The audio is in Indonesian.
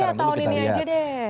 sekarang dulu kita lihat